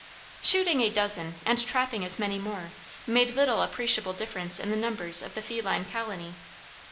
Shooting a dozen and trapping as many more, made little appreciable difference in the numbers of the feline colony.